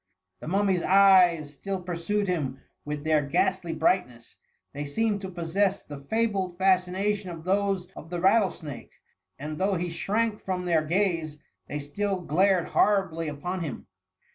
The mum my^s eyes still pursued him with their ghastly brightness ; they seemed to possess the fabled fascination of those of the rattle snake, and though he shrank from their gaze, they still glared horribly upon him.